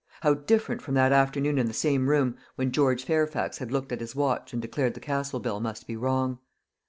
How different from that afternoon in the same room when George Fairfax had looked at his watch and declared the Castle bell must be wrong!